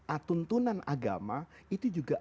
atuntunan agama itu juga